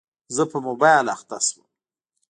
زه په موبایل اخته شوم.